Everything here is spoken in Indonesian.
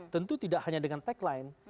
tentu tidak hanya dengan tagline